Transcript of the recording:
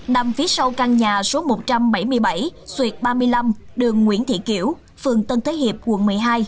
nằm phía sau căn nhà số một trăm bảy mươi bảy xuyệt ba mươi năm đường nguyễn thị kiểu phường tân thế hiệp quận một mươi hai